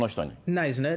ないですね。